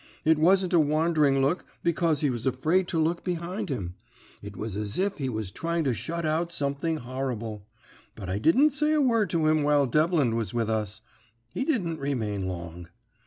It wasn't a wandering look, because he was afraid to look behind him; it was as if he was trying to shut out something horrible. But I didn't say a word to him while Devlin was with us. He didn't remain long.